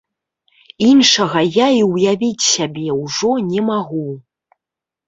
Іншага я і ўявіць сябе ўжо не магу!